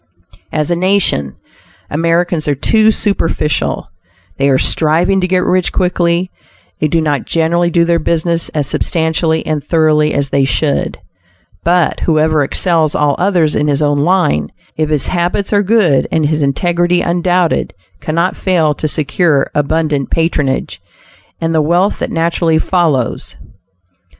As a nation, Americans are too superficial they are striving to get rich quickly, and do not generally do their business as substantially and thoroughly as they should, but whoever excels all others in his own line, if his habits are good and his integrity undoubted, cannot fail to secure abundant patronage, and the wealth that naturally follows.